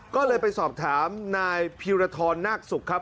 ก็เลยไปสอบถามนายพีรทรนาคศุกร์ครับ